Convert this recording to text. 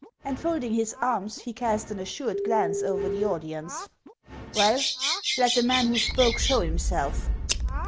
And folding his arms, he cast an assured glance over the audience: "Well! let the man who spoke, show himself."